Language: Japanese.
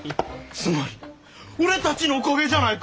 つまり俺たちのおかげじゃないか！